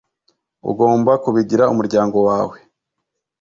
ugomba kubigira umuryango wawe